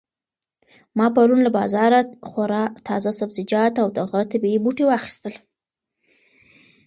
ما پرون له بازاره خورا تازه سبزیجات او د غره طبیعي بوټي واخیستل.